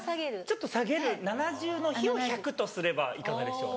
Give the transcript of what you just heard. ちょっと下げる７０の日を１００とすればいかがでしょう？